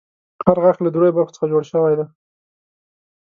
هر غاښ له دریو برخو څخه جوړ شوی دی.